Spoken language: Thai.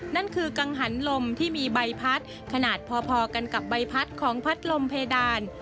นั่นคือกังหันลมที่มีใบพัดขนาดพอกันกับใบพัดของพัดลมเพดาน